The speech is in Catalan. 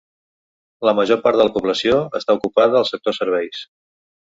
La major part de la població està ocupada al sector serveis.